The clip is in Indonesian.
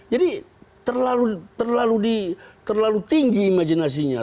jadi terlalu tinggi imajinasinya